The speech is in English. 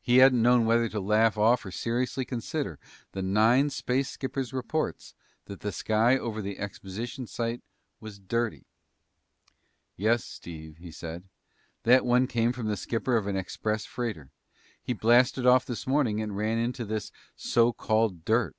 He hadn't known whether to laugh off or seriously consider the nine space skippers' reports that the sky over the exposition site was dirty. "Yes, Steve," he said. "That one came from the skipper of an express freighter. He blasted off this morning and ran through this so called dirt.